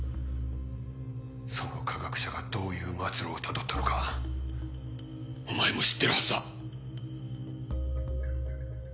その科学者がどういう末路をたどったのかお前も知ってるはずだ。